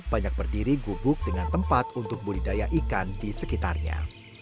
banyak berdiri gubuk dengan tempat untuk budidaya ikan di sekitarnya